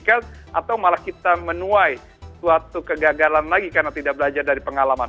atau kita menukar kegagalan lagi karena tidak belajar dari pengalaman